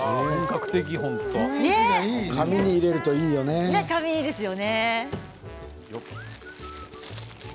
紙に入れるといいよね。